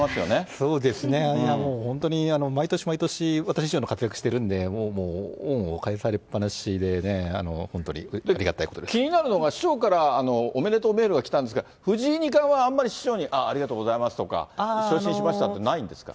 そうですね、本当に毎年毎年、私以上の活躍してるんで、もう恩を返されっぱなしでね、気になるのが、師匠からおめでとうメールがきたんですが、藤井二冠はあんまり師匠に、ああ、ありがとうございますとか、昇進しましたっていうのはないんですか？